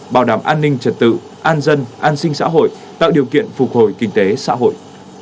bảo đảm an ninh trật tự an dân an sinh xã hội tạo điều kiện phục hồi kinh tế xã hội